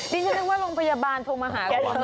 ดิฉันนึกว่าโรงพยาบาลโทรมาหาคุณ